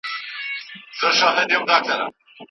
مګر پام کوه چي خوله دي نه کړې خلاصه